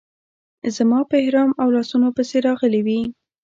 زما په احرام او لاسونو پسې راغلې وې.